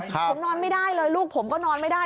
ผมนอนไม่ได้เลยลูกผมก็นอนไม่ได้